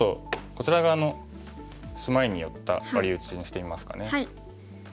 こちら側のシマリに寄ったワリウチにしてみますかね。